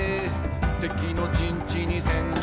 「敵の陣地に潜入」